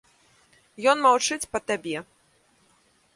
Ён маўчыць па табе.